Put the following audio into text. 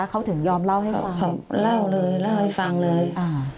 เขาถึงยอมเล่าให้ฟังเล่าเลยเล่าให้ฟังเลย